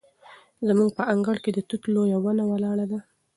زموږ په انګړ کې د توت لویه ونه ولاړه ده.